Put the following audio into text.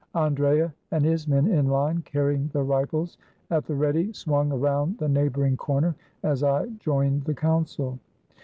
Andrea and his men, in line, carrying their rifles at the ready, swung around the neighboring corner, as I joined the council.